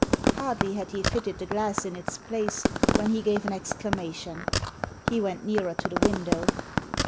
Hardly had he fitted the glass in its place when he gave an exclamation. He went nearer to the window.